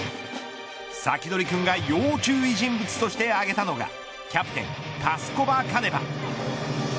サキドリくんが要注意人物として挙げたのがキャプテン、パスコバカネバ。